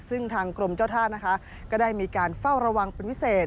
ซึ่งทางกรมเจ้าท่านะคะก็ได้มีการเฝ้าระวังเป็นพิเศษ